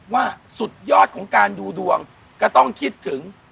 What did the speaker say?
สุดยอดของการดูดวงก็ต้องคิดถึง